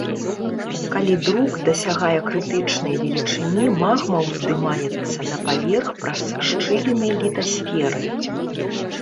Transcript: Калі друк дасягае крытычнай велічыні, магма ўздымаецца на паверх праз шчыліны літасферы.